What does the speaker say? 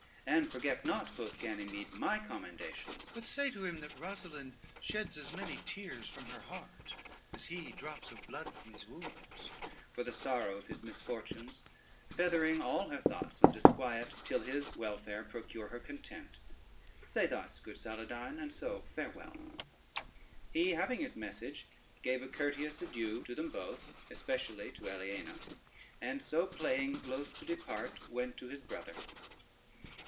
"And forget not," quoth Ganymede, "my commendations; but say to him that Rosalynde sheds as many tears from her heart as he drops of blood from his wounds, for the sorrow of his misfortunes, feathering all her thoughts with disquiet, till his welfare procure her content: say thus, good Saladyne, and so farewell." He having his message, gave a courteous adieu to them both, especially to Aliena, and so playing loath to depart, went to his brother.